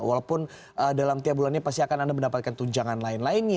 walaupun dalam tiap bulannya pasti akan anda mendapatkan tunjangan lain lainnya